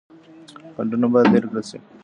خنډونه بايد لري کړل سي.